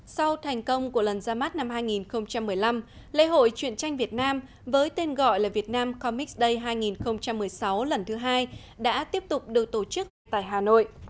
sau thành công của lần ra mắt năm hai nghìn một mươi năm lễ hội chuyện tranh việt nam với tên gọi là việt nam comic day hai nghìn một mươi sáu lần thứ hai đã tiếp tục được tổ chức ngay tại hà nội